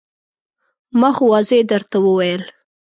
ما خو واضح درته وویل.